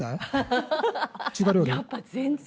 やっぱ全然！